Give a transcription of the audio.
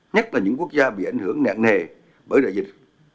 nhất là những quốc gia bị ảnh hưởng nạn nề bởi đại dịch